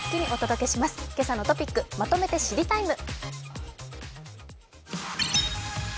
「けさのトピックまとめて知りＴＩＭＥ，」